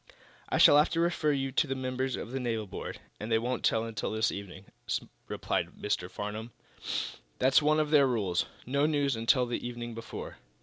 "I shall have to refer you to the members of the naval board, and they won't tell until this evening," replied Mr. Farnum. "That's one of their rules no news until the evening before.